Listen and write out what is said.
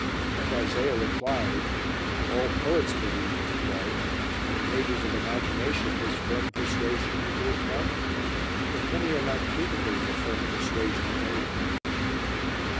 and Isaiah replied, "All poets believe that it does, and in ages of imagination this firm persuasion removed mountains; but many are not capable of a firm persuasion of anything."